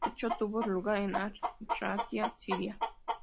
El hecho tuvo lugar en Ar-Raqqa, Siria.